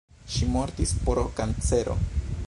Ŝi mortis pro kancero.